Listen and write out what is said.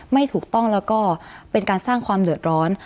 ไม่ถูกต้องแล้วก็เป็นการสร้างความเดือดร้อน